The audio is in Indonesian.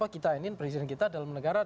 kita ingin presiden kita dalam negara